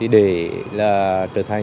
để trở thành